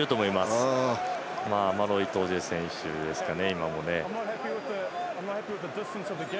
今もマロ・イトジェ選手ですかね。